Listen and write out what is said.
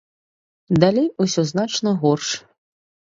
Далей усё значна горш.